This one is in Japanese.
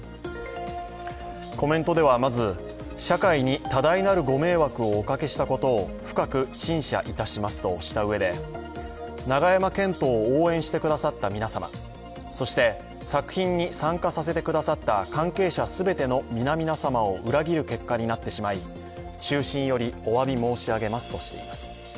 コメントではまず、社会に多大なるご迷惑をおかけしたことを深く陳謝いたしますとしたうえで、永山絢斗を応援してくださった皆様、そして作品に参加させてくださった関係者全ての皆々様を裏切る結果になってしまい、衷心よりおわび申し上げますとしています。